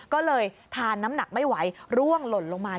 ก็เลยทานน้ำหนักไม่ไหวร่วงหล่นลงมา